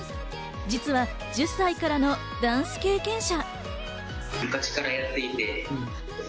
実は１０歳からのダンス経験者。